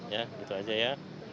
ya gitu aja ya